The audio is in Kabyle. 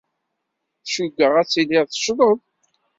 Cukkeɣ ad tiliḍ teccḍeḍ.